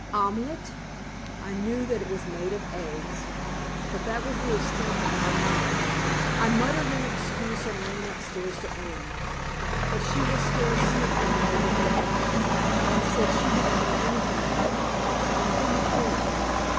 Omelet! I knew that it was made of eggs, but that was the extent of my knowledge. I muttered an excuse and ran upstairs to Anne, but she was still sniffling over her necklace, and said she didn't know anything about omelets and didn't care.